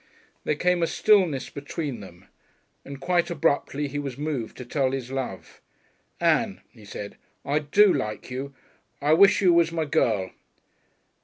There came a stillness between them, and quite abruptly he was moved to tell his love. "Ann," he said, "I do like you. I wish you was my girl....